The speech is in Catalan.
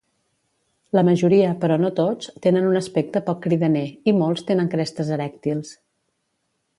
La majoria, però no tots, tenen un aspecte poc cridaner, i molts tenen crestes erèctils.